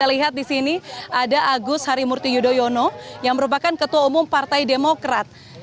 kita lihat di sini ada agus harimurti yudhoyono yang merupakan ketua umum partai demokrat